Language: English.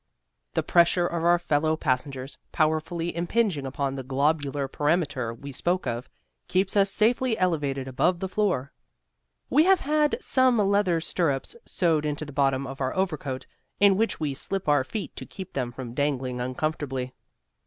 The pressure of our fellow passengers, powerfully impinging upon the globular perimeter we spoke of, keeps us safely elevated above the floor. We have had some leather stirrups sewed into the bottom of our overcoat, in which we slip our feet to keep them from dangling uncomfortably.